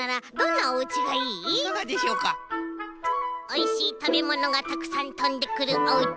「おいしいたべものがたくさんとんでくるおうち」。